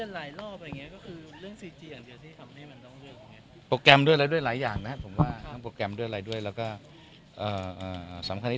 แล้วคือความผิวมันเลื่อนหลายรอบอะไรอย่างนี้